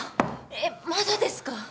えっまだですか？